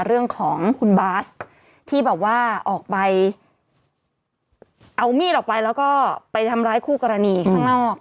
เรื่องของคุณบาสที่แบบว่าออกไปเอามีดออกไปแล้วก็ไปทำร้ายคู่กรณีข้างนอก